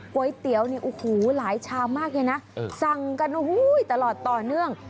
ก๋วยเตี๋ยวเนี่ยโอ้โหหลายชามมากเลยนะสั่งกันตลอดต่อเนื่อง